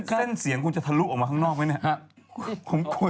เส้นเสียงคุณจะทะลุออกมาข้างนอกไหมเนี่ย